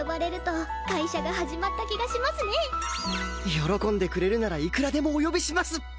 喜んでくれるならいくらでもお呼びします！